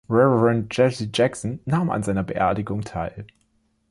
Reverend Jesse Jackson nahm an seiner Beerdigung teil.